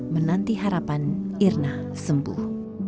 menanti harapan irna sembuh